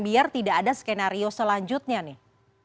biar tidak ada skenario selanjutnya nih